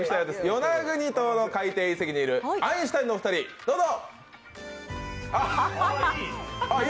与那国島の海底遺跡にいる、アインシュタインのお二人、どうぞ！